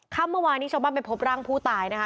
เมื่อวานนี้ชาวบ้านไปพบร่างผู้ตายนะคะ